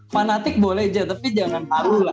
fanatik boleh aja tapi jangan paru lah